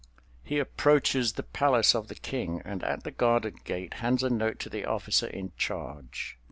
He approaches the palace of the King, and at the guarded gate hands a note to the officer in charge.